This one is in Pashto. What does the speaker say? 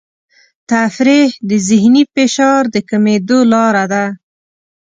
تفریح د ذهني فشار د کمېدو لاره ده.